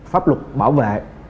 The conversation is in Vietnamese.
pháp luật bảo vệ